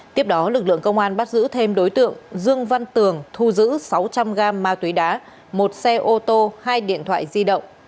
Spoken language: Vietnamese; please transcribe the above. tiếp đó lực lượng công an bắt giữ thêm đối tượng dương văn tường thu giữ sáu trăm linh g ma túy đá một xe ô tô hai điện thoại di động